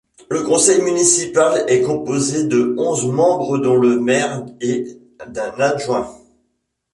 Le conseil municipal est composé de onze membres dont le maire et d'un adjoint.